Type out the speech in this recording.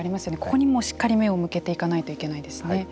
ここにもしっかり目を向けていかないといけないですね。